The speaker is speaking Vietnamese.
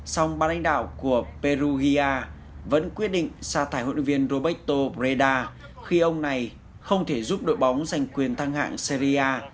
song ban đánh đảo của perugia vẫn quyết định xa thải huấn luyện viên roberto breda khi ông này không thể giúp đội bóng giành quyền thăng hạng serie a